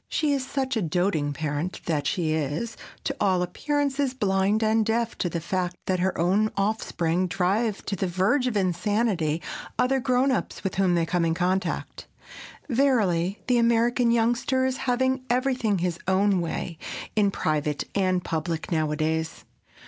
She is such a doting parent that she is, to all appearances, blind and deaf to the fact that her own offspring drive to the verge of insanity other "grown ups" with whom they come in contact. Verily the American youngster is having everything his own way in private and public nowadays!